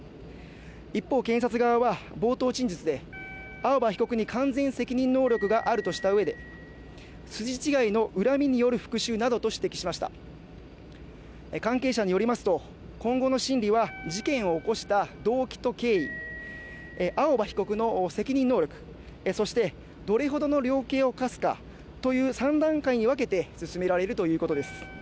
一方検察側は冒頭陳述で青葉被告に完全責任能力があるとしたうえで筋違いの恨みによる復しゅうなどと指摘しました関係者によりますと今後の審理は事件を起こした動機と経緯青葉被告の責任能力そしてどれほどの量刑を科すかという３段階に分けて進められるということです